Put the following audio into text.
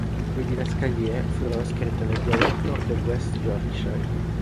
Le didascalie furono scritte nel dialetto del West Yorkshire.